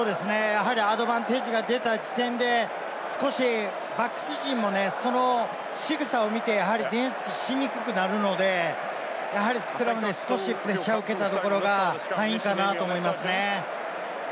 アドバンテージが出た時点で少しバックス陣もそのしぐさを見て、ディフェンスしにくくなるので、スクラムで少しプレッシャーを受けたところが敗因かなと思いますね。